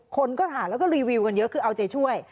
คนก็ถามแล้วก็รีวิวกันเยอะคือเอาใจช่วย